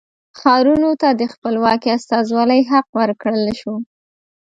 ښارونو ته د خپلواکې استازولۍ حق ورکړل شو.